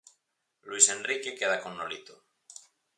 Luís Enrique queda con Nolito.